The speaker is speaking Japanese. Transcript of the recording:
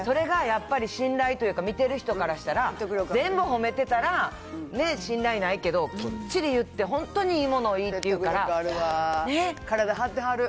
それがやっぱり信頼というか、見てる人からしたら、全部褒めてたら、ね、信頼ないけど、きっちり言って、本当にいいものをいいって言うから。